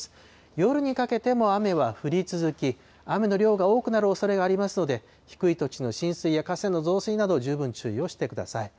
夜にかけても雨は降り続き、雨の量が多くなるおそれがありますので、低い土地の浸水や河川の増水など、十分注意をしてください。